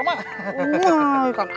wah bukan ah